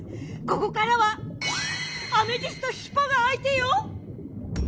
ここからはアメジスト・ヒポがあいてよ！